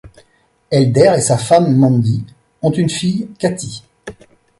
Elder et sa femme Mandy, ont une fille, Katie.